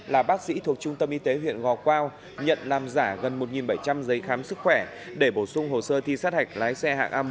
là bác sĩ thuộc trung tâm y tế huyện ngò quao nhận làm giả gần một bảy trăm linh giấy khám sức khỏe để bổ sung hồ sơ thi sát hạch lái xe hạng a một